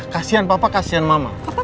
kasian papa kasian mama